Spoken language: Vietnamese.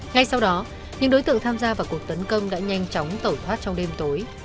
ngay sau đó những đối tượng tham gia vào cuộc tấn công đã nhanh chóng tẩu thoát trong đêm tối